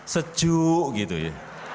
sejuk gitu ya